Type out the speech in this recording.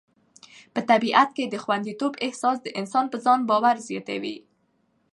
په طبیعت کې د خوندیتوب احساس د انسان په ځان باور زیاتوي.